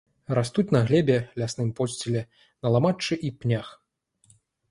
Растуць на глебе, лясным подсціле, на ламаччы і пнях.